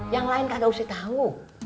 yang lain kagak usah tahu